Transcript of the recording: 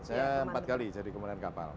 saya empat kali jadi komandan kapal